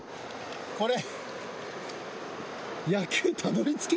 これ。